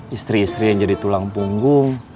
istri istri yang jadi tulang punggung